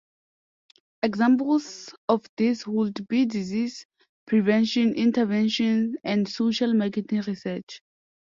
Examples of this would be disease prevention interventions and social marketing research.